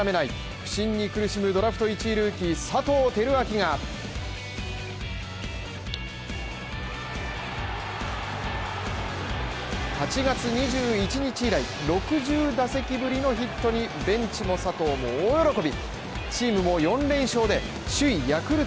不振に苦しむドラフト１位ルーキー・佐藤輝明が８月２１日以来、６０打席ぶりのヒットにベンチも佐藤も大喜び。